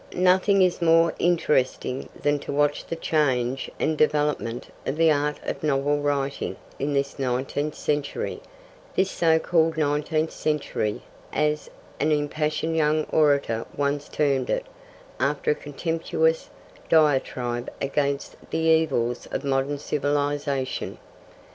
Nothing is more interesting than to watch the change and development of the art of novel writing in this nineteenth century 'this so called nineteenth century,' as an impassioned young orator once termed it, after a contemptuous diatribe against the evils of modern civilisation.